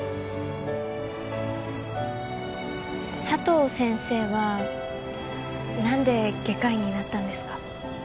佐藤先生はなんで外科医になったんですか？